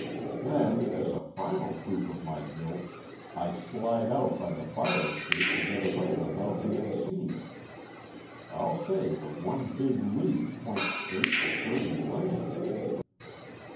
Then, as a final proof of my guilt, I slide out by the fire escape to get away without bein' seen. I'll say the one big lead points straight to Kirby Lane."